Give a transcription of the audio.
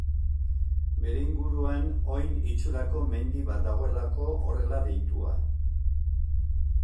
Bere inguruan oin itxurako mendi bat dagoelako horrela deitua.